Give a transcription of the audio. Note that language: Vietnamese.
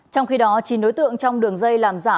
trong khi đó chín đối tượng trong đường dây làm giả